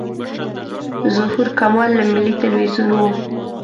ظهور کمال له ملي تلویزیون و.